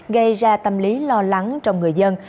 gây ra tâm lý lo lắng trong người dân